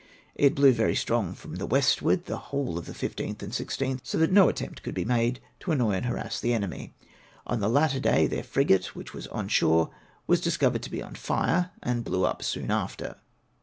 It blew very strong from the westward the whole of the 15th and 16th, so that no attempt could be made to annoy and harass the enemy ; on the latter day their frigate, which was on shore, was discovered to be on fire, and blew up soon after.